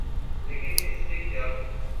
لیکن اس سے کیا؟